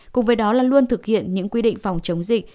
cùng với đó là luôn thực hiện những quy định phòng chống dịch